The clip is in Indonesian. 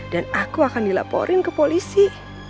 dan aku akan dilaporin ke polisi